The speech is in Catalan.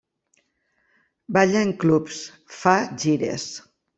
Balla en clubs, fa gires.